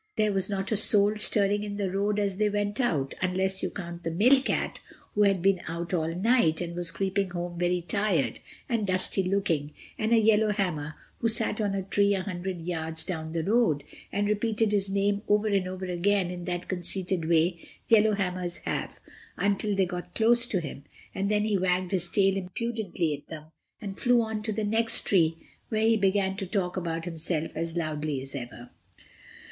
There was not a soul stirring in the road as they went out, unless you count the mill cat who had been out all night and was creeping home very tired and dusty looking, and a yellowhammer who sat on a tree a hundred yards down the road and repeated his name over and over again in that conceited way yellowhammers have, until they got close to him; and then he wagged his tail impudently at them and flew on to the next tree where he began to talk about himself as loudly as ever.